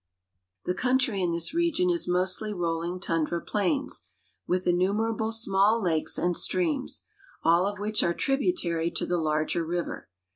The countiy in this region is mostly rolling tundra plains, with innumerable small lakes and streams, all of which are tribu tary to the larger river.